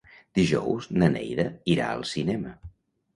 Dijous na Neida irà al cinema.